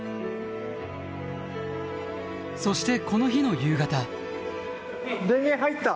そしてこの日の夕方。